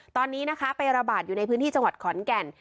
ตอนนี้นะคะไประบาดอยู่ในพื้นที่จังหวัดขอนแก่น